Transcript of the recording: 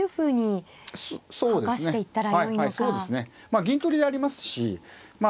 まあ銀取りありますしま